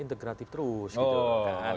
integratif terus gitu kan